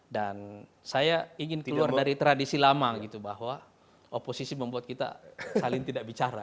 dan saya ingin keluar dari tradisi lama bahwa oposisi membuat kita saling tidak bicara